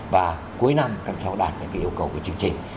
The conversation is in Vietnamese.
và cuối năm các cháu đạt được cái yêu cầu của chương trình